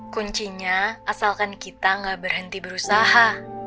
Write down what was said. kuncinya asalkan kita gak berhenti berusaha